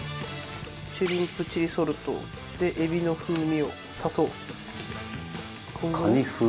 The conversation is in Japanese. シュリンプチリソルトでエビの風味を足そう。